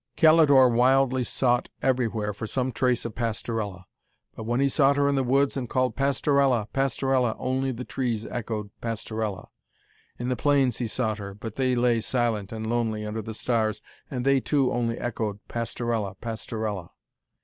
Calidore wildly sought everywhere for some trace of Pastorella. But when he sought her in the woods and called 'Pastorella ... Pastorella ...', only the trees echoed 'Pastorella.' In the plains he sought her, but they lay silent and lonely under the stars, and they, too, only echoed 'Pastorella ... Pastorella....'